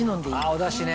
おだしね。